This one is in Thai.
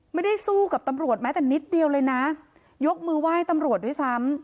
ไม่ได้สู้กับตำรวจแม้แต่นิดเดียวเลยนะยกมือไหว้ตำรวจด้วยซ้ำ